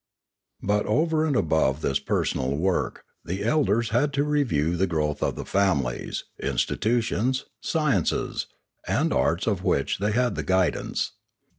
But over and above this personal work, the elders had to review the growth of the families, institutions, sciences, and arts of which they had the guidance.